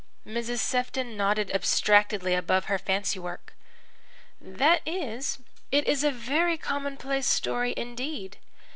Mrs. Sefton nodded abstractedly above her fancywork. "That is. It is a very commonplace story indeed.